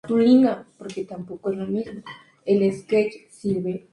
Integró las fuerzas de la llamada Revolución de las lanzas encabezada por el Gral.